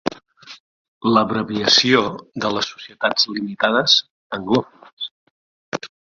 L'abreviació de les societats limitades anglòfones.